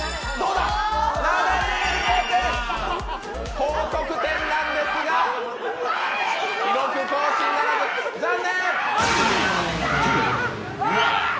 高得点なんですが、記録更新ならず残念！